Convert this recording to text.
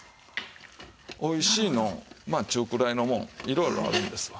おいしいの中くらいのもいろいろあるんですわ。